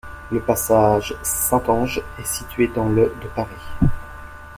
Le passage Saint-Ange est situé dans le de Paris.